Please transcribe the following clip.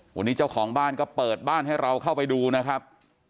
วันนี้เจ้าของบ้านก็เปิดบ้านให้เราเข้าไปดูนะครับ